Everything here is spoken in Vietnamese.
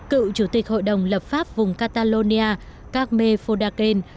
cựu chủ tịch hội đồng lập pháp vùng catalonia cagme fodaken